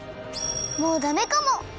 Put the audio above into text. もうダメかも！